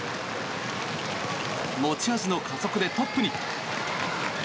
持ち味の加速でトップに。